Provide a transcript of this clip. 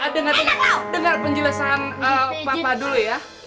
dengar penjelasan papa dulu ya